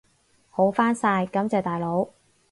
好返晒，感謝大佬！